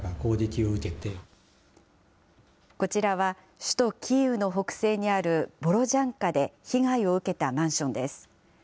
こちらは首都キーウの北西にあるボロジャンカで被害を受けたマンションです。